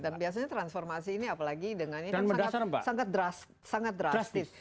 dan biasanya transformasi ini apalagi dengan sangat drastis